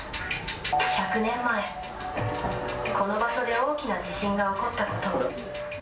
１００年前、この場所で大きな地震が起こったことを。